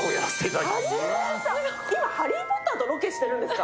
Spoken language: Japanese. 今、ハリー・ポッターとロケしてるんですか？